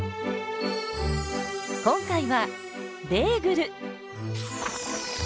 今回はベーグル！